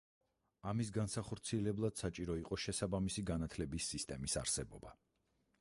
ამის განსახორციელებლად საჭირო იყო შესაბამისი განათლების სისტემის არსებობა.